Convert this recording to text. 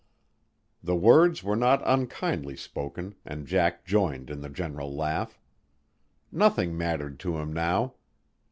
The words were not unkindly spoken and Jack joined in the general laugh. Nothing mattered to him now.